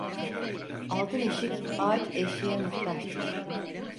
Altın eşik, ağaç eşiğe muhtaçtır.